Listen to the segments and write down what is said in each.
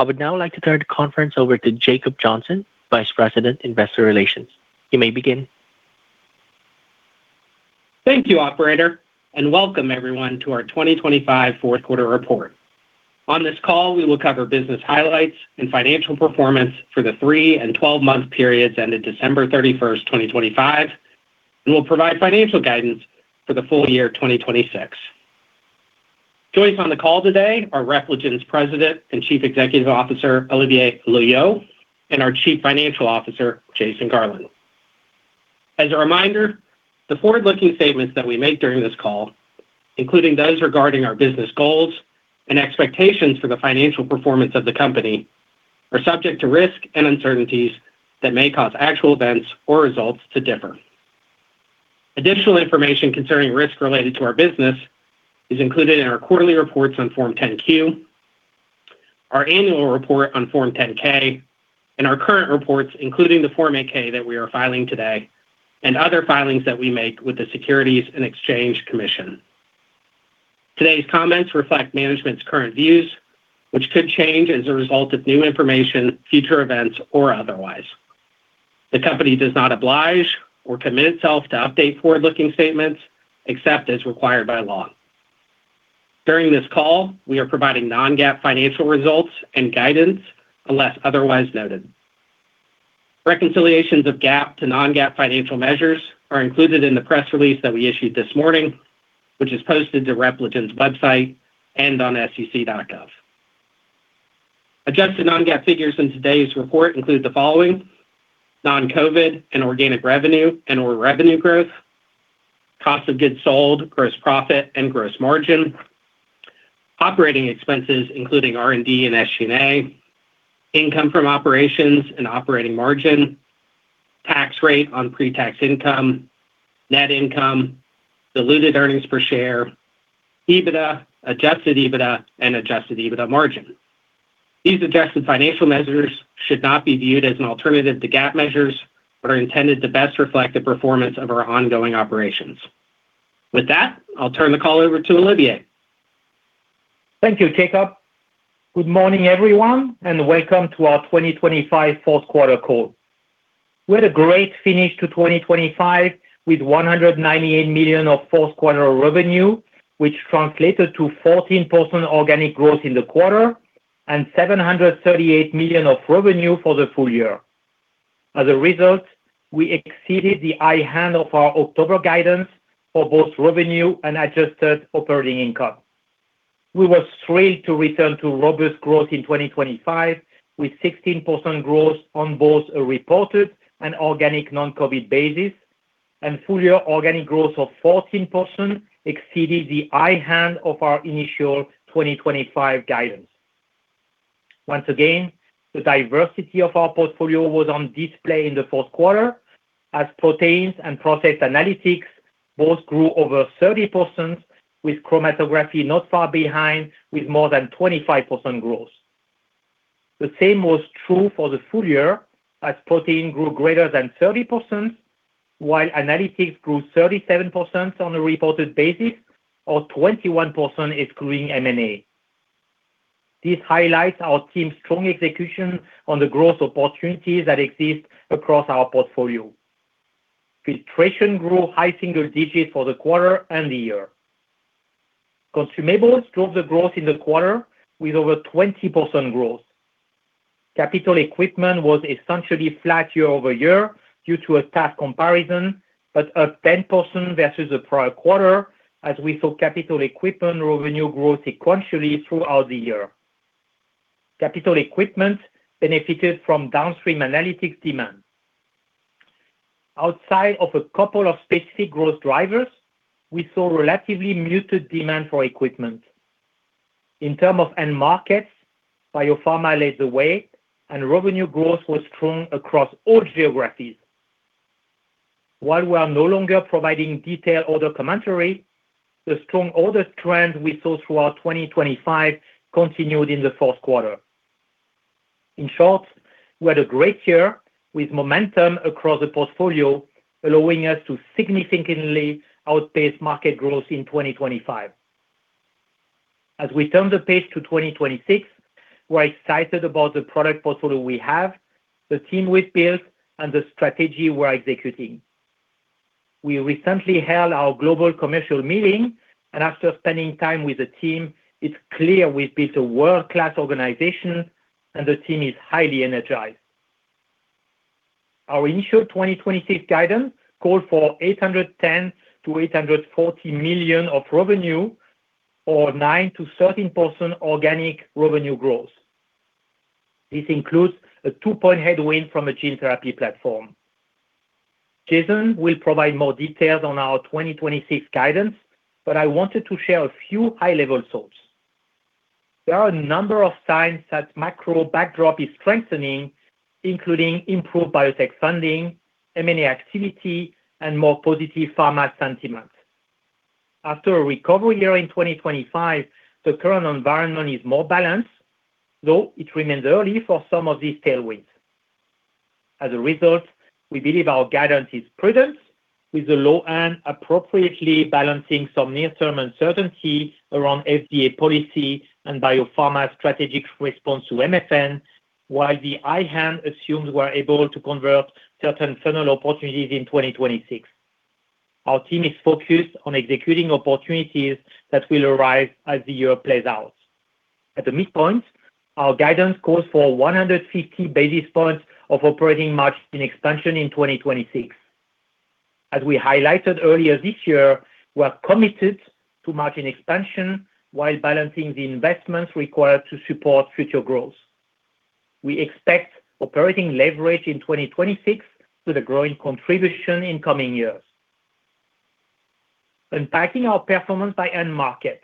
I would now like to turn the conference over to Jacob Johnson, Vice President, Investor Relations. You may begin. Thank you, operator, and welcome everyone to our 2025 fourth quarter report. On this call, we will cover business highlights and financial performance for the three and 12-month periods ended December 31st, 2025, and we'll provide financial guidance for the full year 2026. Joining us on the call today are Repligen's President and Chief Executive Officer, Olivier Loeillot, and our Chief Financial Officer, Jason Garland. As a reminder, the forward-looking statements that we make during this call, including those regarding our business goals and expectations for the financial performance of the company, are subject to risks and uncertainties that may cause actual events or results to differ. Additional information concerning risks related to our business is included in our quarterly reports on Form 10-Q, our annual report on Form 10-K, and our current reports, including the Form 8-K that we are filing today, and other filings that we make with the Securities and Exchange Commission. Today's comments reflect management's current views, which could change as a result of new information, future events, or otherwise. The company does not oblige or commit itself to update forward-looking statements except as required by law. During this call, we are providing non-GAAP financial results and guidance unless otherwise noted. Reconciliations of GAAP to non-GAAP financial measures are included in the press release that we issued this morning, which is posted to Repligen's website and on sec.gov. Adjusted non-GAAP figures in today's report include the following: non-COVID and organic revenue and or revenue growth, cost of goods sold, gross profit and gross margin, operating expenses, including R&D and SG&A, income from operations and operating margin, tax rate on pre-tax income, net income, diluted earnings per share, EBITDA, adjusted EBITDA, and adjusted EBITDA margin. These adjusted financial measures should not be viewed as an alternative to GAAP measures, but are intended to best reflect the performance of our ongoing operations. With that, I'll turn the call over to Olivier. Thank you, Jacob. Good morning, everyone, welcome to our 2025 fourth quarter call. We had a great finish to 2025 with $198 million of fourth quarter revenue, which translated to 14% organic growth in the quarter and $738 million of revenue for the full year. As a result, we exceeded the high hand of our October guidance for both revenue and adjusted operating income. We were thrilled to return to robust growth in 2025, with 16% growth on both a reported and organic non-COVID basis, and full year organic growth of 14% exceeded the high hand of our initial 2025 guidance. Once again, the diversity of our portfolio was on display in the fourth quarter as proteins and process analytics both grew over 30%, with chromatography not far behind, with more than 25% growth. The same was true for the full year, as protein grew greater than 30%, while analytics grew 37% on a reported basis or 21%, excluding M&A. This highlights our team's strong execution on the growth opportunities that exist across our portfolio. Filtration grew high single digits for the quarter and the year. Consumables drove the growth in the quarter with over 20% growth. Capital equipment was essentially flat year-over-year due to a tough comparison, but up 10% versus the prior quarter as we saw capital equipment revenue grow sequentially throughout the year. Capital equipment benefited from downstream analytics demand. Outside of a couple of specific growth drivers, we saw relatively muted demand for equipment. In terms of end markets, biopharma led the way and revenue growth was strong across all geographies. While we are no longer providing detailed order commentary, the strong order trend we saw throughout 2025 continued in the 4th quarter. In short, we had a great year with momentum across the portfolio, allowing us to significantly outpace market growth in 2025. As we turn the page to 2026, we're excited about the product portfolio we have, the team we've built, and the strategy we're executing. We recently held our global commercial meeting, and after spending time with the team, it's clear we've built a world-class organization and the team is highly energized. Our initial 2026 guidance called for $810 million-$840 million of revenue or 9%-13% organic revenue growth. This includes a two-point headwind from a gene therapy platform. Jason will provide more details on our 2026 guidance, but I wanted to share a few high-level thoughts. There are a number of signs that macro backdrop is strengthening, including improved biotech funding, M&A activity, and more positive pharma sentiment. After a recovery year in 2025, the current environment is more balanced, though it remains early for some of these tailwinds. As a result, we believe our guidance is prudent, with the low end appropriately balancing some near-term uncertainty around FDA policy and biopharma's strategic response to MFN, while the high hand assumes we're able to convert certain funnel opportunities in 2026. Our team is focused on executing opportunities that will arise as the year plays out. At the midpoint, our guidance calls for 150 basis points of operating margin expansion in 2026. As we highlighted earlier this year, we're committed to margin expansion while balancing the investments required to support future growth. We expect operating leverage in 2026 with a growing contribution in coming years. Unpacking our performance by end market.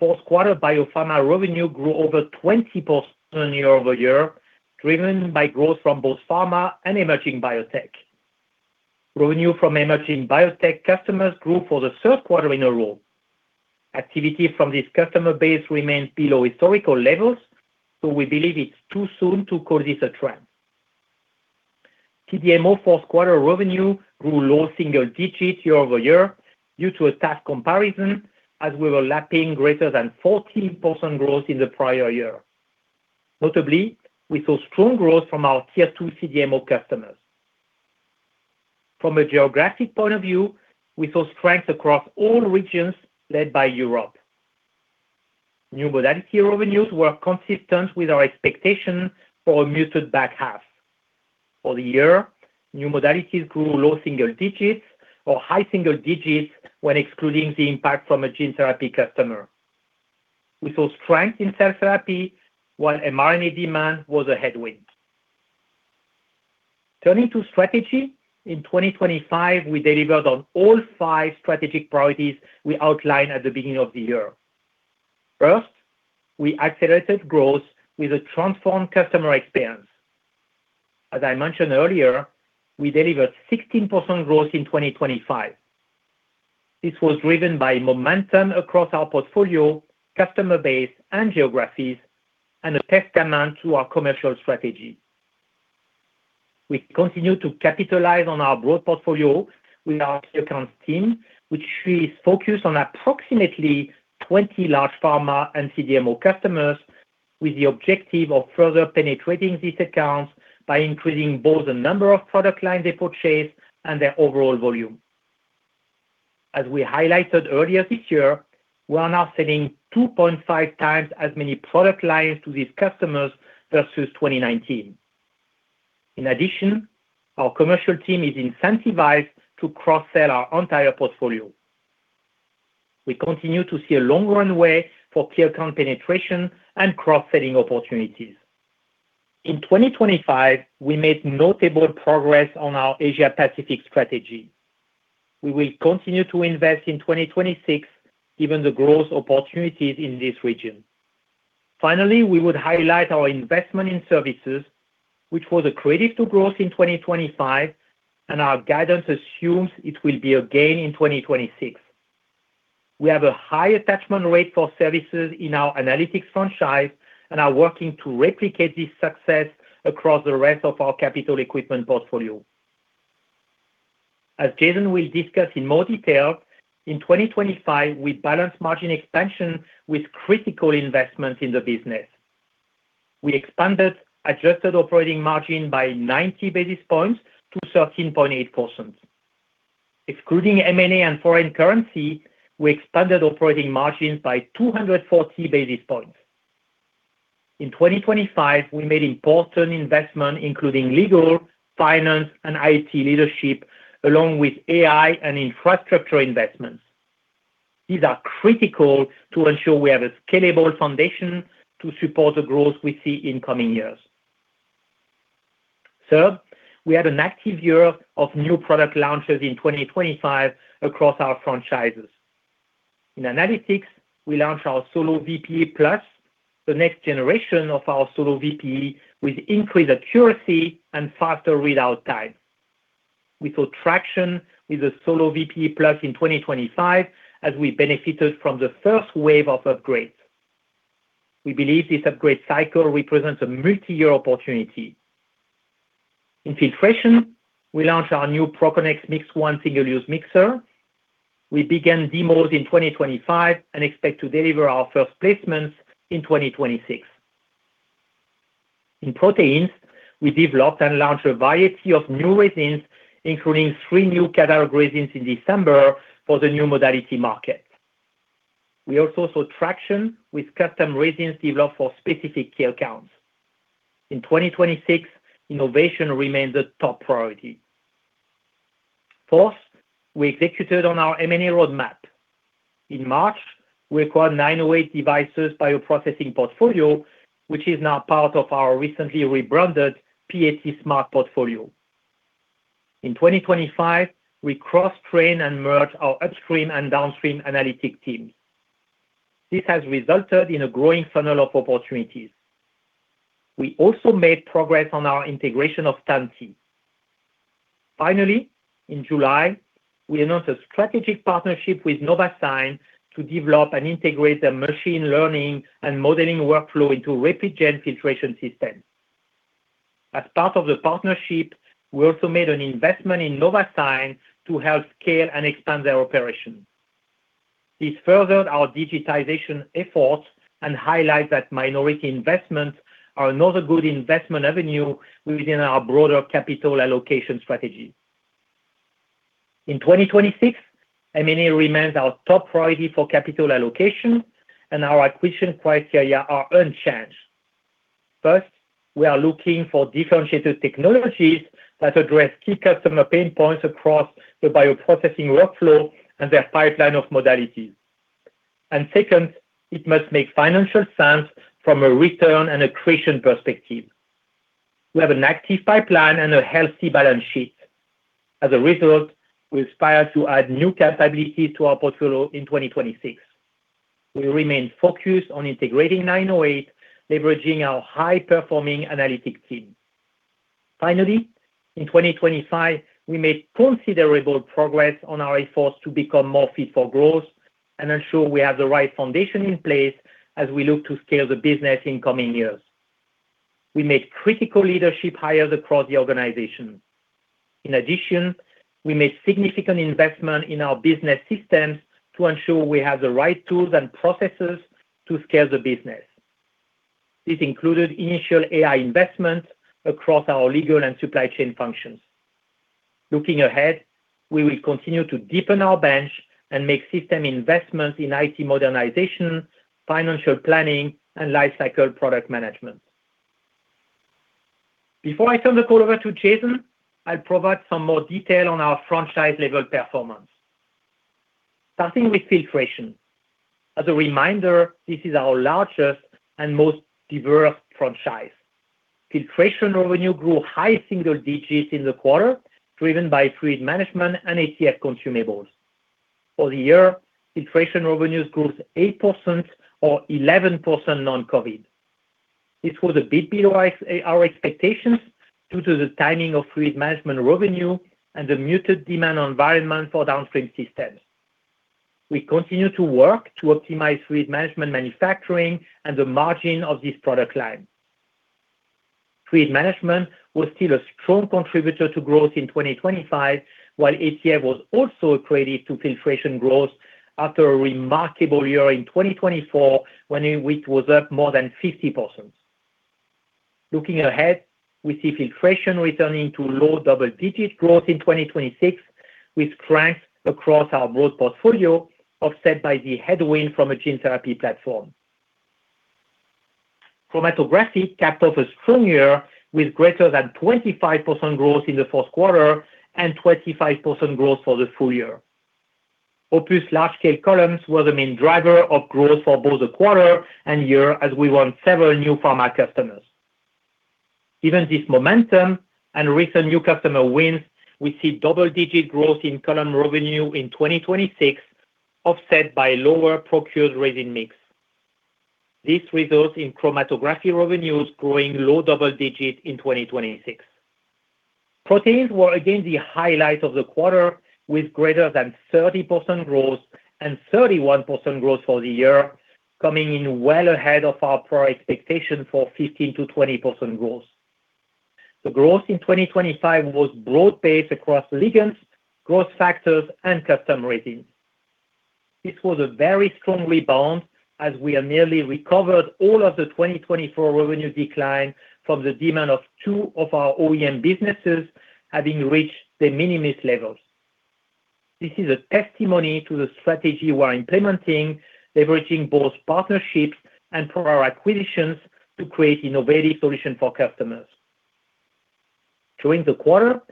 4th quarter biopharma revenue grew over 20% year-over-year, driven by growth from both pharma and emerging biotech. Revenue from emerging biotech customers grew for the 3rd quarter in a row. Activity from this customer base remains below historical levels, so we believe it's too soon to call this a trend. CDMO 4th quarter revenue grew low single digits year-over-year due to a tough comparison, as we were lapping greater than 14% growth in the prior year. Notably, we saw strong growth from our Tier 2 CDMO customers. From a geographic point of view, we saw strength across all regions led by Europe. New modality revenues were consistent with our expectation for a muted back half. For the year, new modalities grew low single digits or high single digits when excluding the impact from a gene therapy customer. We saw strength in cell therapy, while mRNA demand was a headwind. Turning to strategy, in 2025, we delivered on all five strategic priorities we outlined at the beginning of the year. First, we accelerated growth with a transformed customer experience. As I mentioned earlier, we delivered 16% growth in 2025. This was driven by momentum across our portfolio, customer base, and geographies, and a tech demand through our commercial strategy. We continue to capitalize on our broad portfolio with our key accounts team, which is focused on approximately 20 large pharma and CDMO customers, with the objective of further penetrating these accounts by increasing both the number of product lines they purchase and their overall volume. As we highlighted earlier this year, we are now selling 2.5 times as many product lines to these customers versus 2019. Our commercial team is incentivized to cross-sell our entire portfolio. We continue to see a long runway for key account penetration and cross-selling opportunities. In 2025, we made notable progress on our Asia Pacific strategy. We will continue to invest in 2026, given the growth opportunities in this region. We would highlight our investment in services, which was accretive to growth in 2025, and our guidance assumes it will be again in 2026. We have a high attachment rate for services in our analytics franchise and are working to replicate this success across the rest of our capital equipment portfolio. As Jason will discuss in more detail, in 2025, we balanced margin expansion with critical investments in the business. We expanded adjusted operating margin by 90 basis points to 13.8%. Excluding M&A and foreign currency, we expanded operating margins by 240 basis points. In 2025, we made important investment, including legal, finance, and IT leadership, along with AI and infrastructure investments. These are critical to ensure we have a scalable foundation to support the growth we see in coming years. Third, we had an active year of new product launches in 2025 across our franchises. In analytics, we launched our SoloVPE PLUS System, the next generation of our SoloVPE System, with increased accuracy and faster readout time. We saw traction with the SoloVPE PLUS System in 2025, as we benefited from the first wave of upgrades. We believe this upgrade cycle represents a multi-year opportunity. In filtration, we launched our new ProConnex MixOne single-use mixer. We began demos in 2025 and expect to deliver our first placements in 2026. In proteins, we developed and launched a variety of new resins, including three new catalog resins in December for the new modality market. We also saw traction with custom resins developed for specific key accounts. In 2026, innovation remains a top priority. Fourth, we executed on our M&A roadmap. In March, we acquired 908 Devices bioprocessing portfolio, which is now part of our recently rebranded PATsmart portfolio. In 2025, we cross-trained and merged our upstream and downstream analytic teams. This has resulted in a growing funnel of opportunities. We also made progress on our integration of Stantec. In July, we announced a strategic partnership with Novasign to develop and integrate their machine learning and modeling workflow into rapid gene filtration system. As part of the partnership, we also made an investment in Novasign to help scale and expand their operation. This furthered our digitization efforts and highlight that minority investments are another good investment avenue within our broader capital allocation strategy. In 2026, M&A remains our top priority for capital allocation, and our acquisition criteria are unchanged. First, we are looking for differentiated technologies that address key customer pain points across the bioprocessing workflow and their pipeline of modalities. Second, it must make financial sense from a return and accretion perspective. We have an active pipeline and a healthy balance sheet. As a result, we aspire to add new capabilities to our portfolio in 2026. We remain focused on integrating 908, leveraging our high-performing analytics team. Finally, in 2025, we made considerable progress on our efforts to become more Fit for Growth and ensure we have the right foundation in place as we look to scale the business in coming years. We made critical leadership hires across the organization. In addition, we made significant investment in our business systems to ensure we have the right tools and processes to scale the business. This included initial AI investment across our legal and supply chain functions. Looking ahead, we will continue to deepen our bench and make system investments in IT modernization, financial planning, and lifecycle product management. Before I turn the call over to Jason, I'll provide some more detail on our franchise-level performance. Starting with filtration. As a reminder, this is our largest and most diverse franchise. Filtration revenue grew high single digits in the quarter, driven by fluid management and ATF consumables. For the year, filtration revenues grew 8% or 11% non-COVID. This was a bit below our expectations due to the timing of fluid management revenue and the muted demand environment for downstream systems. We continue to work to optimize fluid management manufacturing and the margin of this product line. Fluid management was still a strong contributor to growth in 2025, while ATF was also a credit to filtration growth after a remarkable year in 2024, when it was up more than 50%. Looking ahead, we see filtration returning to low double-digit growth in 2026, with strength across our broad portfolio, offset by the headwind from a gene therapy platform. Chromatography capped off a strong year with greater than 25% growth in the fourth quarter and 25% growth for the full year. OPUS large-scale columns were the main driver of growth for both the quarter and year as we won several new pharma customers. Given this momentum and recent new customer wins, we see double-digit growth in column revenue in 2026, offset by lower procured resin mix. This results in chromatography revenues growing low double digit in 2026. Proteins were again the highlight of the quarter, with greater than 30% growth and 31% growth for the year, coming in well ahead of our prior expectation for 15%-20% growth. The growth in 2025 was broad-based across ligands, growth factors, and custom resins. This was a very strong rebound, as we have nearly recovered all of the 2024 revenue decline from the demand of two of our OEM businesses, having reached the minimal levels. This is a testimony to the strategy we're implementing, leveraging both partnerships and prior acquisitions to create innovative solutions for customers. During the quarter,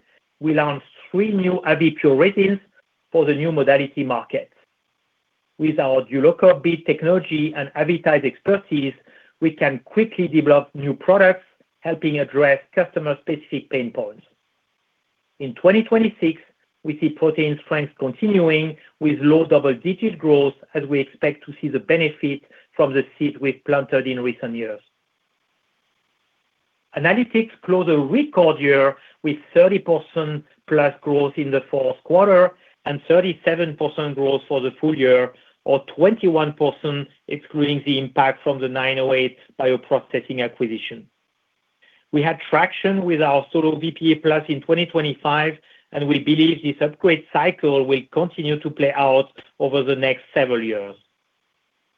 we launched three new AVIPure resins for the new modality market. With our J.T.Baker bead technology and AVITIDE expertise, we can quickly develop new products, helping address customer-specific pain points. In 2026, we see proteins strength continuing with low double-digit growth, as we expect to see the benefit from the seed we've planted in recent years. Analytics closed a record year with 30%+ growth in the fourth quarter and 37% growth for the full year, or 21%, excluding the impact from the 908 Devices bioprocessing acquisition. We had traction with our SoloVPE Plus in 2025, We believe this upgrade cycle will continue to play out over the next several years.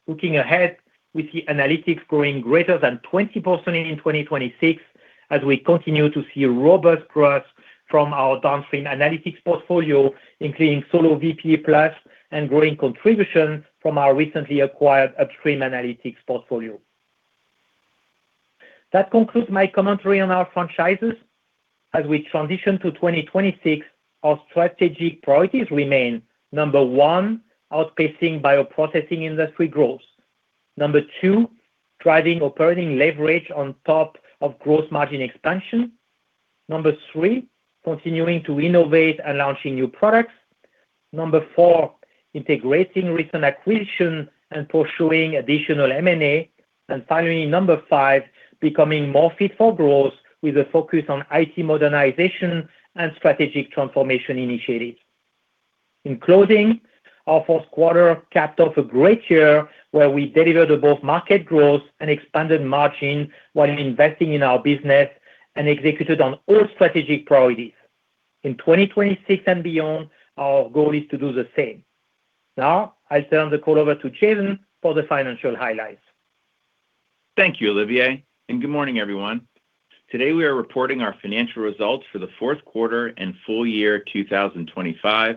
Looking ahead, we see analytics growing greater than 20% in 2026, as we continue to see a robust growth from our downstream analytics portfolio, including SoloVPE Plus and growing contribution from our recently acquired upstream analytics portfolio. That concludes my commentary on our franchises. As we transition to 2026, our strategic priorities remain: number one, outpacing bioprocessing industry growth. Number two, driving operating leverage on top of gross margin expansion. Number three, continuing to innovate and launching new products. Number four, integrating recent acquisition and pursuing additional M&A. Finally, number five, becoming more Fit for Growth with a focus on IT modernization and strategic transformation initiatives. In closing, our fourth quarter capped off a great year where we delivered both market growth and expanded margin while investing in our business and executed on all strategic priorities. In 2026 and beyond, our goal is to do the same. I'll turn the call over to Jason for the financial highlights. Thank you, Olivier, and good morning, everyone. Today, we are reporting our financial results for the fourth quarter and full year 2025,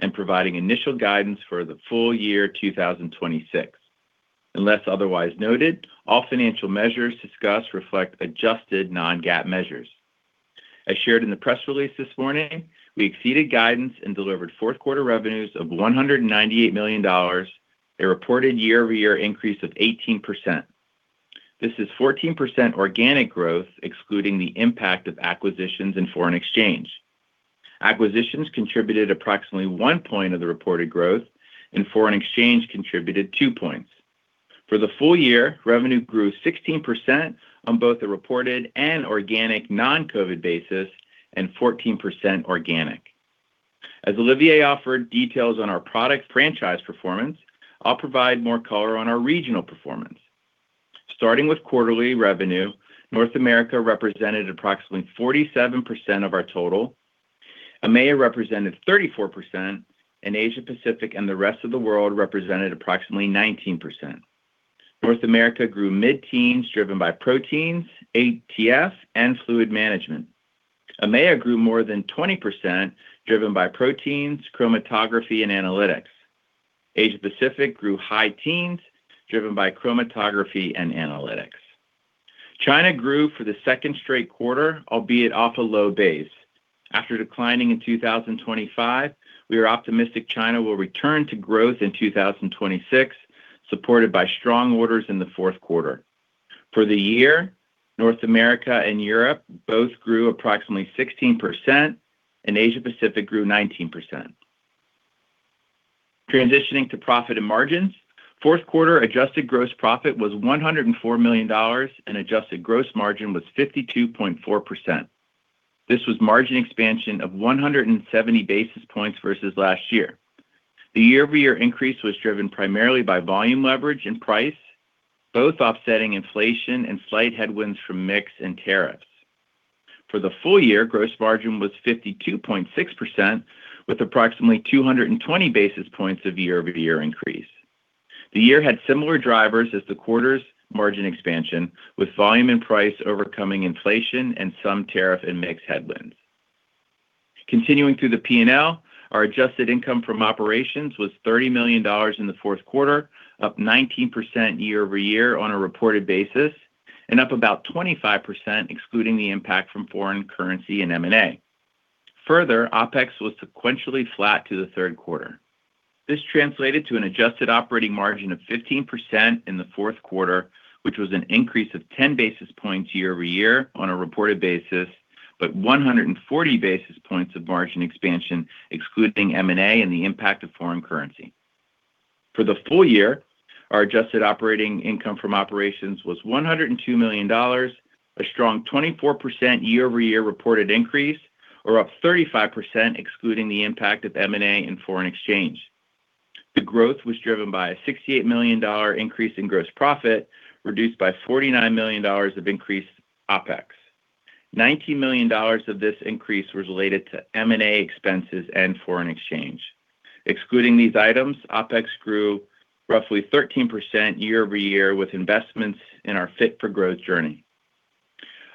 and providing initial guidance for the full year 2026. Unless otherwise noted, all financial measures discussed reflect adjusted non-GAAP measures. As shared in the press release this morning, we exceeded guidance and delivered fourth quarter revenues of $198 million, a reported year-over-year increase of 18%. This is 14% organic growth, excluding the impact of acquisitions and foreign exchange. Acquisitions contributed approximately 1 point of the reported growth, and foreign exchange contributed 2 points. For the full year, revenue grew 16% on both the reported and organic non-COVID basis and 14% organic. As Olivier offered details on our product franchise performance, I'll provide more color on our regional performance. Starting with quarterly revenue, North America represented approximately 47% of our total, EMEA represented 34%, and Asia Pacific and the rest of the world represented approximately 19%. North America grew mid-teens, driven by proteins, ATF, and fluid management. EMEA grew more than 20%, driven by proteins, chromatography, and analytics. Asia Pacific grew high teens, driven by chromatography and analytics. China grew for the second straight quarter, albeit off a low base. After declining in 2025, we are optimistic China will return to growth in 2026, supported by strong orders in the fourth quarter. For the year, North America and Europe both grew approximately 16%, and Asia Pacific grew 19%. Transitioning to profit and margins, fourth quarter adjusted gross profit was $104 million, and adjusted gross margin was 52.4%. This was margin expansion of 170 basis points versus last year. The year-over-year increase was driven primarily by volume leverage and price, both offsetting inflation and slight headwinds from mix and tariffs. For the full year, gross margin was 52.6%, with approximately 220 basis points of year-over-year increase. The year had similar drivers as the quarter's margin expansion, with volume and price overcoming inflation and some tariff and mix headwinds. Continuing through the P&L, our adjusted income from operations was $30 million in the fourth quarter, up 19% year-over-year on a reported basis, and up about 25%, excluding the impact from foreign currency and M&A. OpEx was sequentially flat to the third quarter. This translated to an adjusted operating margin of 15% in the fourth quarter, which was an increase of 10 basis points year-over-year on a reported basis, but 140 basis points of margin expansion, excluding M&A and the impact of foreign currency. For the full year, our adjusted operating income from operations was $102 million, a strong 24% year-over-year reported increase, or up 35%, excluding the impact of M&A and foreign exchange. The growth was driven by a $68 million increase in gross profit, reduced by $49 million of increased OpEx. $19 million of this increase was related to M&A expenses and foreign exchange. Excluding these items, OpEx grew roughly 13% year-over-year with investments in our Fit for Growth journey.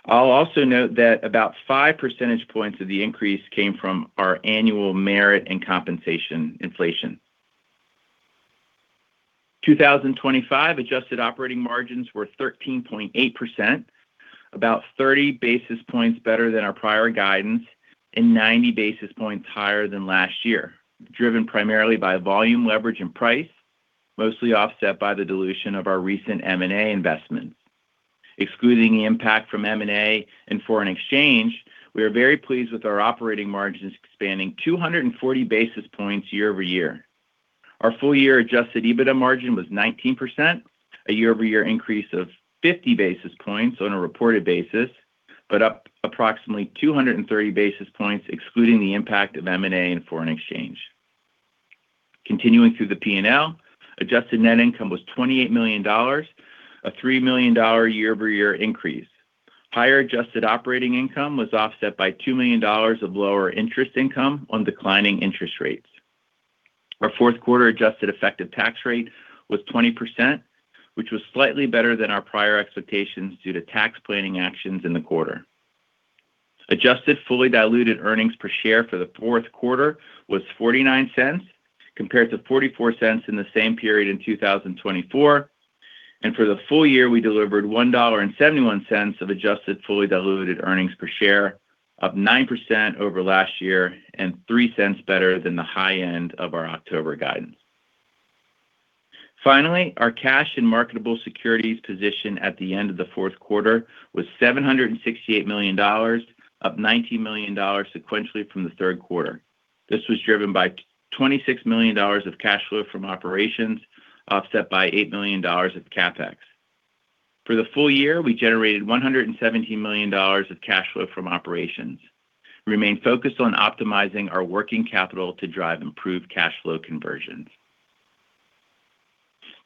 I'll also note that about 5 percentage points of the increase came from our annual merit and compensation inflation. 2025 adjusted operating margins were 13.8%, about 30 basis points better than our prior guidance and 90 basis points higher than last year, driven primarily by volume leverage and price, mostly offset by the dilution of our recent M&A investments. Excluding the impact from M&A and foreign exchange, we are very pleased with our operating margins expanding 240 basis points year-over-year. Our full year adjusted EBITDA margin was 19%, a year-over-year increase of 50 basis points on a reported basis, but up approximately 230 basis points, excluding the impact of M&A and foreign exchange. Continuing through the P&L, adjusted net income was $28 million, a $3 million year-over-year increase. Higher adjusted operating income was offset by $2 million of lower interest income on declining interest rates. Our fourth quarter adjusted effective tax rate was 20%, which was slightly better than our prior expectations due to tax planning actions in the quarter. Adjusted fully diluted earnings per share for the fourth quarter was $0.49, compared to $0.44 in the same period in 2024. For the full year, we delivered $1.71 of adjusted fully diluted earnings per share, up 9% over last year and $0.03 better than the high end of our October guidance. Finally, our cash and marketable securities position at the end of the fourth quarter was $768 million, up $90 million sequentially from the third quarter. This was driven by $26 million of cash flow from operations, offset by $8 million of CapEx. For the full year, we generated $117 million of cash flow from operations. We remain focused on optimizing our working capital to drive improved cash flow conversions.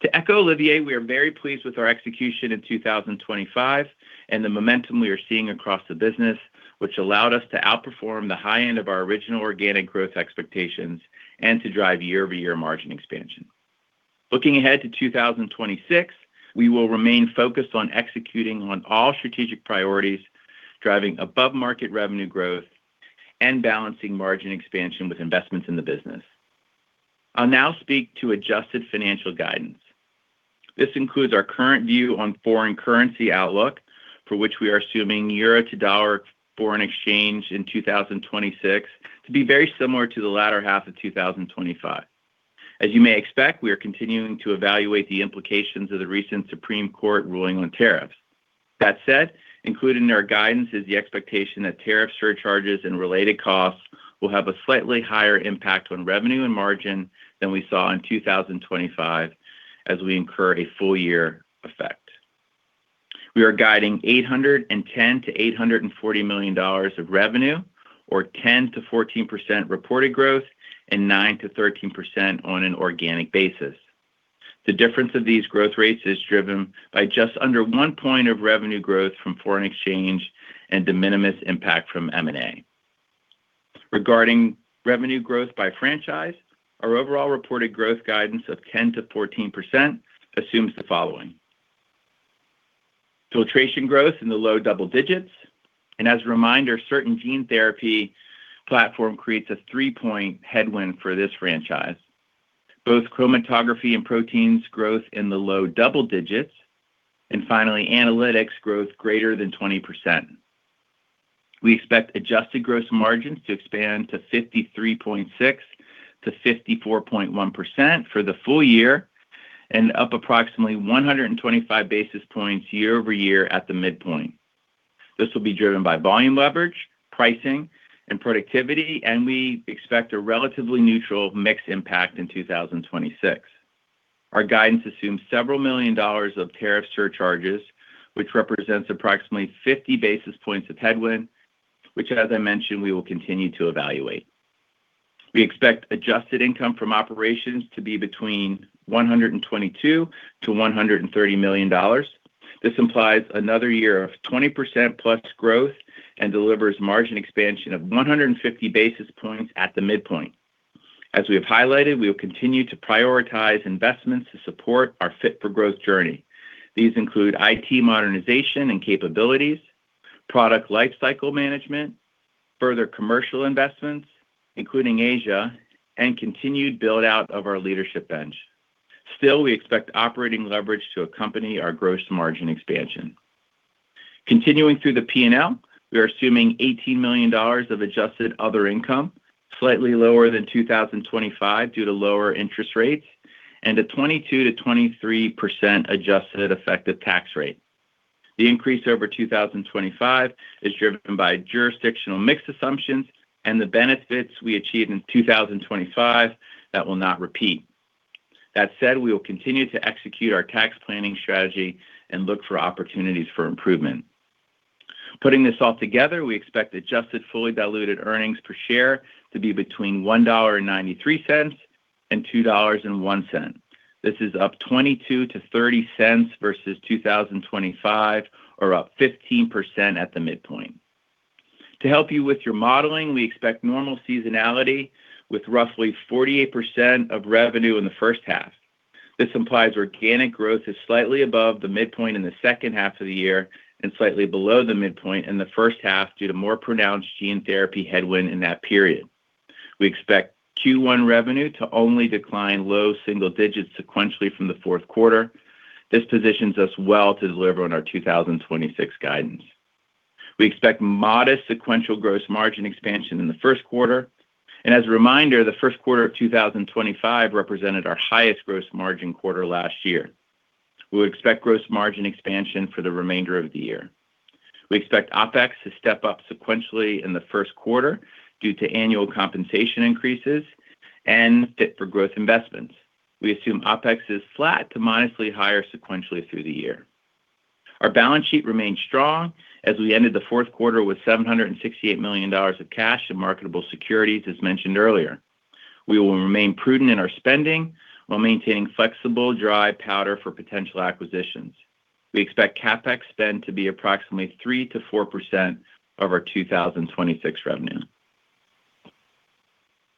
To echo Olivier, we are very pleased with our execution in 2025 and the momentum we are seeing across the business, which allowed us to outperform the high end of our original organic growth expectations and to drive year-over-year margin expansion. Looking ahead to 2026, we will remain focused on executing on all strategic priorities, driving above-market revenue growth, and balancing margin expansion with investments in the business. I'll now speak to adjusted financial guidance. This includes our current view on foreign currency outlook, for which we are assuming euro to dollar foreign exchange in 2026 to be very similar to the latter half of 2025. As you may expect, we are continuing to evaluate the implications of the recent Supreme Court ruling on tariffs. That said, included in our guidance is the expectation that tariff surcharges and related costs will have a slightly higher impact on revenue and margin than we saw in 2025, as we incur a full year effect. We are guiding $810 million-$840 million of revenue, or 10%-14% reported growth and 9%-13% on an organic basis. The difference of these growth rates is driven by just under one point of revenue growth from foreign exchange and de minimis impact from M&A. Regarding revenue growth by franchise, our overall reported growth guidance of 10%-14% assumes the following: filtration growth in the low double digits, and as a reminder, certain gene therapy platform creates a 3-point headwind for this franchise. Both chromatography and proteins growth in the low double digits, and finally, analytics growth greater than 20%. We expect adjusted gross margins to expand to 53.6%-54.1% for the full year and up approximately 125 basis points year-over-year at the midpoint. This will be driven by volume leverage, pricing, and productivity, and we expect a relatively neutral mix impact in 2026. Our guidance assumes several million dollars of tariff surcharges, which represents approximately 50 basis points of headwind, which, as I mentioned, we will continue to evaluate. We expect adjusted income from operations to be between $122 million-$130 million. This implies another year of 20% plus growth and delivers margin expansion of 150 basis points at the midpoint. As we have highlighted, we will continue to prioritize investments to support our Fit for Growth journey. These include IT modernization and capabilities, product lifecycle management, further commercial investments, including Asia, and continued build-out of our leadership bench. We expect operating leverage to accompany our gross margin expansion. Continuing through the P&L, we are assuming $18 million of adjusted other income, slightly lower than 2025 due to lower interest rates and a 22%-23% adjusted effective tax rate. The increase over 2025 is driven by jurisdictional mix assumptions and the benefits we achieved in 2025 that will not repeat. That said, we will continue to execute our tax planning strategy and look for opportunities for improvement. Putting this all together, we expect adjusted fully diluted earnings per share to be between $1.93 and $2.01. This is up $0.22-$0.30 versus 2025, or up 15% at the midpoint. To help you with your modeling, we expect normal seasonality with roughly 48% of revenue in the first half. This implies organic growth is slightly above the midpoint in the second half of the year and slightly below the midpoint in the first half, due to more pronounced gene therapy headwind in that period. We expect Q1 revenue to only decline low single digits sequentially from the fourth quarter. This positions us well to deliver on our 2026 guidance. We expect modest sequential gross margin expansion in the first quarter. As a reminder, the first quarter of 2025 represented our highest gross margin quarter last year. We expect gross margin expansion for the remainder of the year. We expect OpEx to step up sequentially in the first quarter due to annual compensation increases and Fit for Growth investments. We assume OpEx is flat to modestly higher sequentially through the year. Our balance sheet remains strong as we ended the fourth quarter with $768 million of cash in marketable securities, as mentioned earlier. We will remain prudent in our spending while maintaining flexible dry powder for potential acquisitions. We expect CapEx spend to be approximately 3%-4% of our 2026 revenue.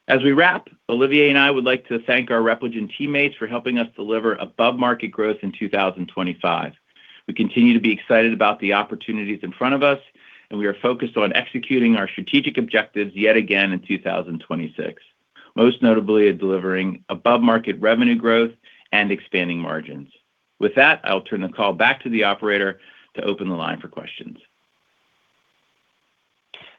As we wrap, Olivier and I would like to thank our Repligen teammates for helping us deliver above-market growth in 2025. We continue to be excited about the opportunities in front of us, and we are focused on executing our strategic objectives yet again in 2026, most notably delivering above-market revenue growth and expanding margins. With that, I'll turn the call back to the operator to open the line for questions.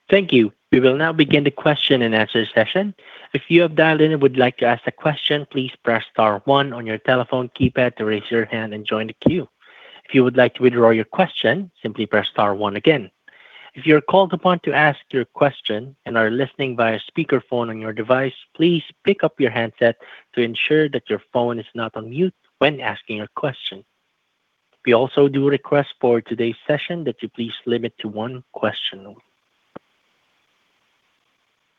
Thank you. We will now begin the question and answer session. If you have dialed in and would like to ask a question, please press star one on your telephone keypad to raise your hand and join the queue. If you would like to withdraw your question, simply press star one again. If you're called upon to ask your question and are listening via speakerphone on your device, please pick up your handset to ensure that your phone is not on mute when asking a question. We also do request for today's session that you please limit to one question.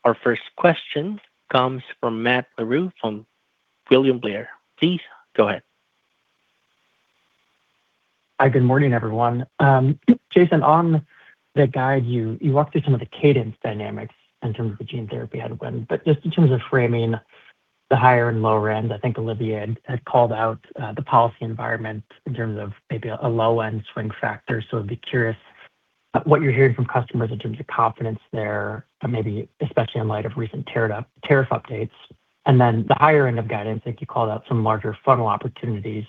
Our first question comes from Matt Larew from William Blair. Please go ahead. Hi, good morning, everyone. Jason, on the guide, you walked through some of the cadence dynamics in terms of the gene therapy headwind, but just in terms of framing the higher and lower end, I think Olivier had called out the policy environment in terms of maybe a low-end swing factor. I'd be curious what you're hearing from customers in terms of confidence there, and maybe especially in light of recent tariff updates. Then the higher end of guidance, I think you called out some larger funnel opportunities.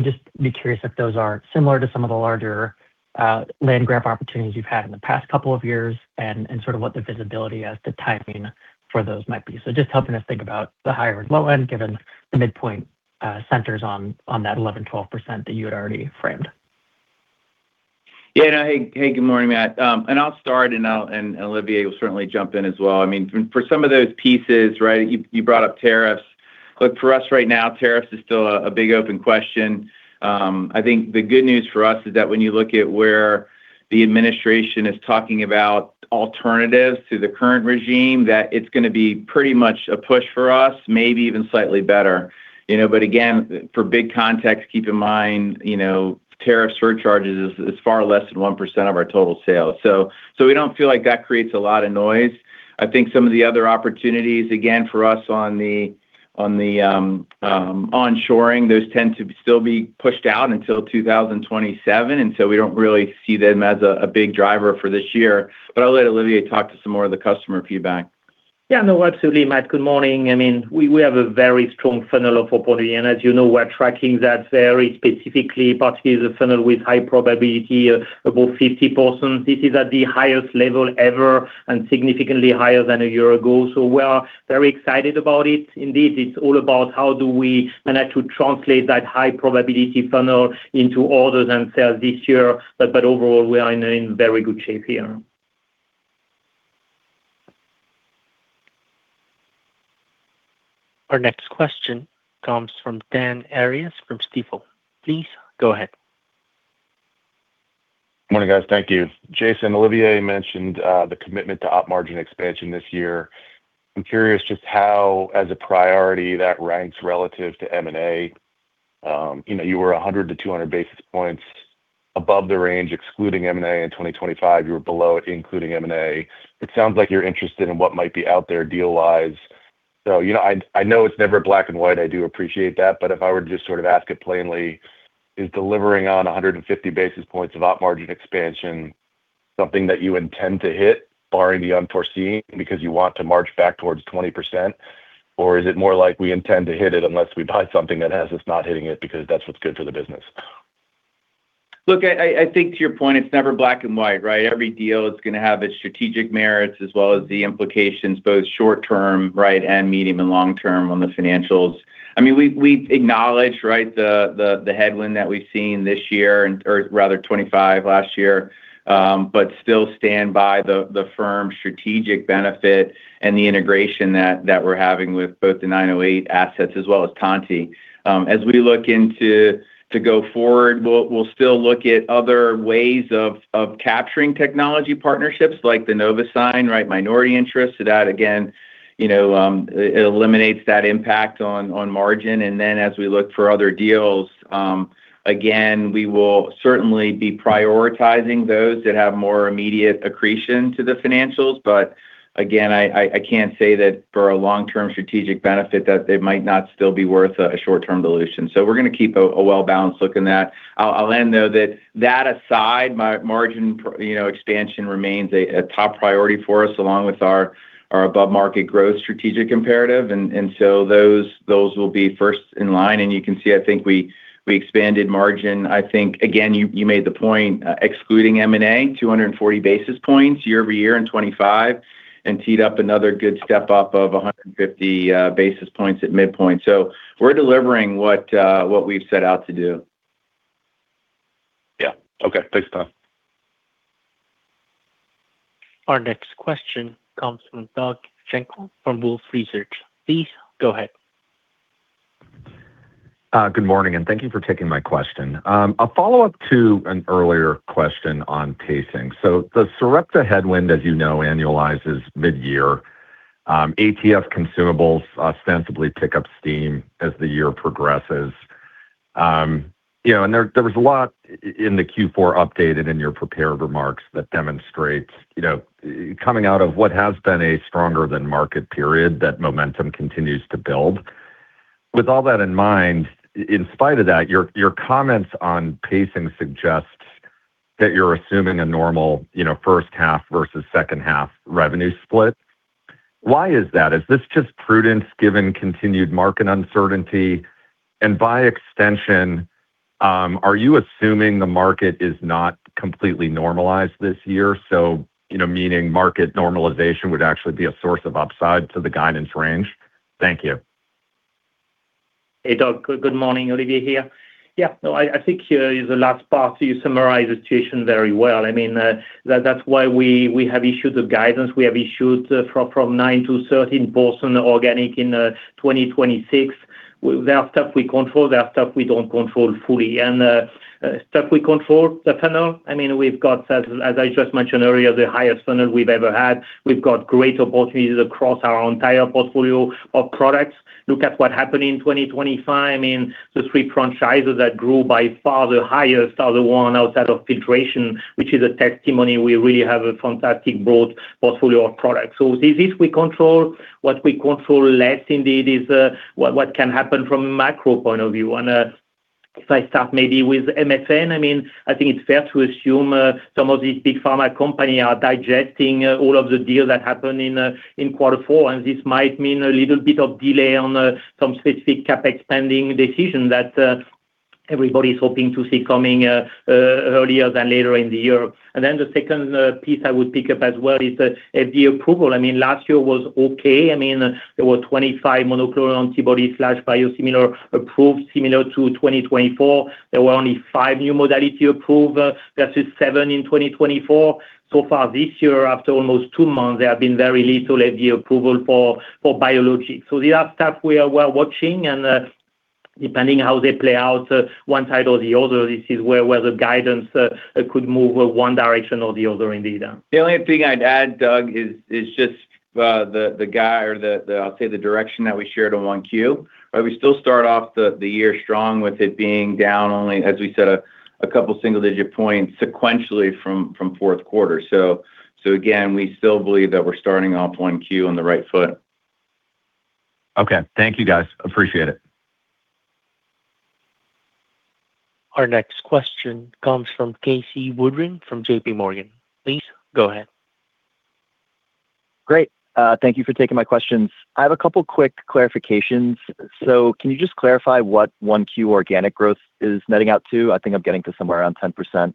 Just be curious if those are similar to some of the larger land grab opportunities you've had in the past couple of years, and sort of what the visibility as to timing for those might be. Just helping us think about the higher and low end, given the midpoint, centers on that 11%-12% that you had already framed. Yeah, hey, good morning, Matt. I mean, for some of those pieces, right, you brought up tariffs. Look, for us right now, tariffs is still a big open question. I think the good news for us is that when you look at where the administration is talking about alternatives to the current regime, that it's gonna be pretty much a push for us, maybe even slightly better. You know, again, for big context, keep in mind, you know, tariffs surcharges is far less than 1% of our total sales. We don't feel like that creates a lot of noise. I think some of the other opportunities, again, for us on the, on the, onshoring, those tend to still be pushed out until 2027. We don't really see them as a big driver for this year. I'll let Olivier talk to some more of the customer feedback. Yeah, no, absolutely, Matt, good morning. I mean, we have a very strong funnel of opportunity, and as you know, we're tracking that very specifically, particularly the funnel with high probability, above 50%. This is at the highest level ever and significantly higher than a year ago. We are very excited about it. Indeed, it's all about how do we manage to translate that high probability funnel into orders and sales this year. Overall, we are in a very good shape here. Our next question comes from Dan Arias from Stifel. Please go ahead. Good morning, guys. Thank you. Jason, Olivier mentioned the commitment to op margin expansion this year. I'm curious just how, as a priority, that ranks relative to M&A. You know, you were 100-200 basis points above the range, excluding M&A in 2025. You were below, including M&A. It sounds like you're interested in what might be out there deal-wise. You know, I know it's never black and white. I do appreciate that. If I were to just sort of ask it plainly, is delivering on 150 basis points of op margin expansion something that you intend to hit, barring the unforeseen, because you want to march back towards 20%? Is it more like we intend to hit it unless we buy something that has us not hitting it because that's what's good for the business? Look, I think to your point, it's never black and white, right? Every deal is gonna have its strategic merits as well as the implications, both short term, right, and medium and long term on the financials. I mean, we acknowledge, right, the headwind that we've seen this year and, or rather 25 last year, but still stand by the firm's strategic benefit and the integration that we're having with both the 908 Devices assets as well as EMT. As we look into to go forward, we'll still look at other ways of capturing technology partnerships like the Novasign, right, minority interest. That, again, you know, it eliminates that impact on margin. As we look for other deals, again, we will certainly be prioritizing those that have more immediate accretion to the financials. Again, I can't say that for a long-term strategic benefit, that they might not still be worth a short-term dilution. We're gonna keep a well-balanced look in that. I'll end, though, that aside, my margin pro, you know, expansion remains a top priority for us, along with our above-market growth strategic imperative, those will be first in line. You can see, I think we expanded margin. I think, again, you made the point, excluding M&A, 240 basis points year-over-year in 2025, and teed up another good step-up of 150 basis points at midpoint. We're delivering what we've set out to do. Yeah. Okay. Thanks, Tom. Our next question comes from Doug Schenkel from Wolfe Research. Please go ahead. Good morning, and thank you for taking my question. A follow-up to an earlier question on pacing. The Sarepta headwind, as you know, annualizes mid-year. ATF consumables ostensibly pick up steam as the year progresses. you know, and there was a lot in the Q4 update and in your prepared remarks that demonstrates, you know, coming out of what has been a stronger-than-market period, that momentum continues to build. With all that in mind, in spite of that, your comments on pacing suggest that you're assuming a normal, you know, first half versus second half revenue split. Why is that? Is this just prudence given continued market uncertainty? By extension, are you assuming the market is not completely normalized this year? You know, meaning market normalization would actually be a source of upside to the guidance range. Thank you. Hey, Doug. Good morning, Olivier here. I think here is the last part, you summarize the situation very well. I mean, that's why we have issued the guidance. We have issued from 9-13, both on the organic in 2026. There are stuff we control, there are stuff we don't control fully. Stuff we control the funnel. I mean, we've got, as I just mentioned earlier, the highest funnel we've ever had. We've got great opportunities across our entire portfolio of products. Look at what happened in 2025. I mean, the three franchises that grew by far the highest are the one outside of filtration, which is a testimony. We really have a fantastic broad portfolio of products. This is we control. What we control less indeed, is, what can happen from a macro point of view. If I start maybe with MFN, I mean, I think it's fair to assume, some of these big pharma company are digesting, all of the deals that happened in quarter four, and this might mean a little bit of delay on some specific CapEx spending decision that everybody's hoping to see coming earlier than later in the year. Then the second piece I would pick up as well is the approval. I mean, last year was okay. I mean, there were 25 monoclonal antibodies/biosimilar approved, similar to 2024. There were only five new modality approved versus seven in 2024. Far this year, after almost two months, there have been very little AD approval for biologics. These are stuff we are well watching and, depending on how they play out, one side or the other, this is where the guidance could move one direction or the other indeed. The only thing I'd add, Doug, is just, the guy or the direction that we shared on 1Q. We still start off the year strong, with it being down only, as we said, a couple single-digit points sequentially from fourth quarter. Again, we still believe that we're starting off 1Q on the right foot. Okay. Thank you, guys. Appreciate it. Our next question comes from Casey Woodring from JPMorgan. Please go ahead. Great. Thank you for taking my questions. I have a couple quick clarifications. Can you just clarify what 1Q organic growth is netting out to? I think I'm getting to somewhere around 10%.